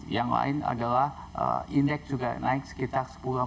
yang lain adalah indeks juga naik sekitar sepuluh